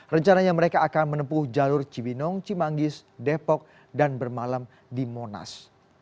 rencananya mereka akan menempuh jalur cibinong cimanggis depok dan bermalam di monas